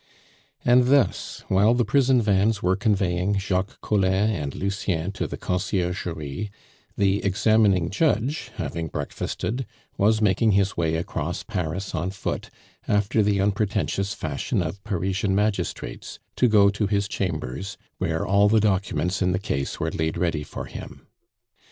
And thus, while the prison vans were conveying Jacques Collin and Lucien to the Conciergerie, the examining judge, having breakfasted, was making his way across Paris on foot, after the unpretentious fashion of Parisian magistrates, to go to his chambers, where all the documents in the case were laid ready for him.